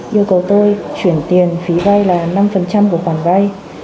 yêu cầu tôi chuyển tiền phí vay là năm của khoản vay